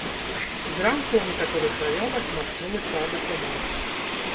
Зранку ў некаторых раёнах магчымы слабы туман.